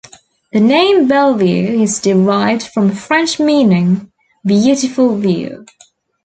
The name Belview is derived from French meaning "beautiful view".